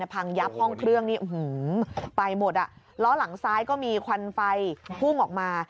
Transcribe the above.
พังยับห้องเครื่องนี่ไปหมดอ่ะล้อหลังซ้ายก็มีควันไฟพุ่งออกมา